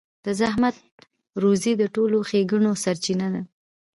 د زحمت روزي د ټولو ښېګڼو سرچينه ده.